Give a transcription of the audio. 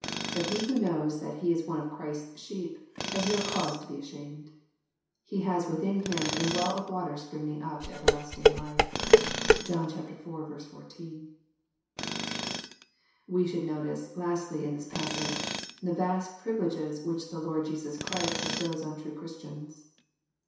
But he who knows that he is one of Christ's sheep has no cause to be ashamed. He has within him a ^* well of water springing up into ever* lasting life." (John iv. 14.) We should notice, lastly, in this passage, iks vast privU leges which the Lord Jesus Christ bestows on true Christians.